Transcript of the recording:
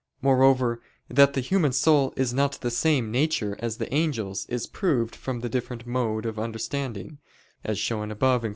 Moreover, that the human soul is not of the same nature as the angels, is proved from the different mode of understanding, as shown above (Q.